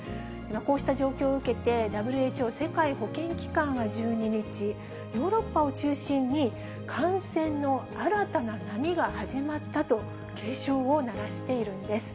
こうした状況を受けて、ＷＨＯ・世界保健機関は１２日、ヨーロッパを中心に感染の新たな波が始まったと警鐘を鳴らしているんです。